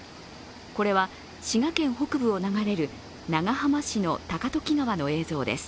これは滋賀県北部を流れる長浜市の高時川の映像です。